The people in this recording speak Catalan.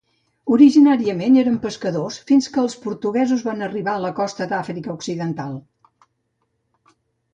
Originàriament eren pescadors fins que els portuguesos van arribar a la costa d'Àfrica Occidental.